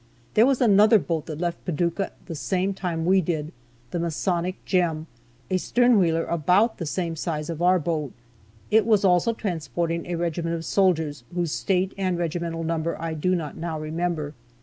There was another boat that left Paducah the same time we did, the "Masonic Gem," a stern wheeler about the same size of our boat. It was also transporting a regiment of soldiers, whose State and regimental number I do not now remember.